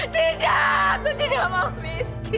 tidak aku tidak mau miskin